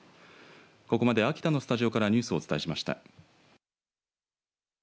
ここまで秋田のスタジオからニュースをお伝えしました。